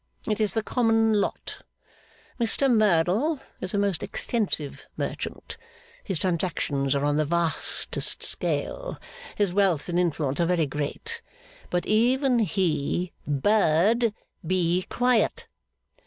It is the common lot. Mr Merdle is a most extensive merchant, his transactions are on the vastest scale, his wealth and influence are very great, but even he Bird, be quiet!